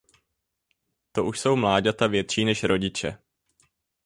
To už jsou mláďata větší než rodiče.